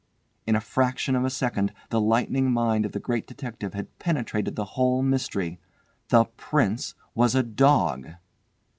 In a fraction of a second the lightning mind of the Great Detective had penetrated the whole mystery. THE PRINCE WAS A DOG!!!!